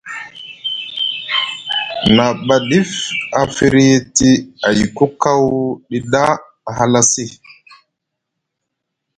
Na ɓa dif a firyiti ayku kawɗi ɗa a halasi.